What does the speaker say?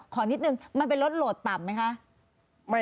ขอนิดนึงมันเป็นรถโหลดต่ำไหมคะ